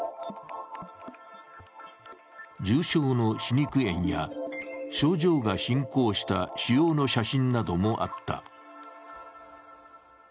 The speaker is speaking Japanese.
重症の歯肉炎や症状が進行した腫瘍の写真などもあった。